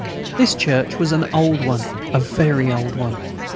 This church was an old one, a very old one.